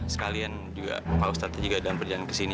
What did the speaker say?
sekalian juga pak ustadz juga dalam perjalanan ke sini